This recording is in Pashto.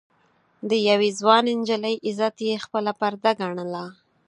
د يوې ځوانې نجلۍ عزت يې خپله پرده ګڼله.